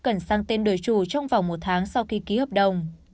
cần sang tên đổi chủ trong vòng một tháng sau khi ký hợp đồng